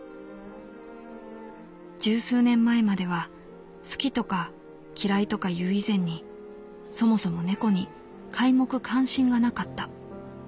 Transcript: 「十数年前までは好きとか嫌いとかいう以前にそもそも猫に皆目関心がなかった。